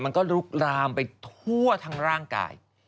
มันก็ลุกลามไปทั่วทั้งร่างกาย